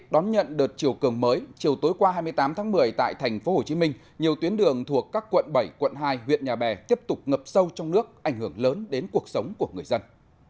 đón nhận đợt chiều cường mới chiều tối qua hai mươi tám tháng một mươi tại tp hcm nhiều tuyến đường thuộc các quận bảy quận hai huyện nhà bè tiếp tục ngập sâu trong nước ảnh hưởng lớn đến cuộc sống của người dân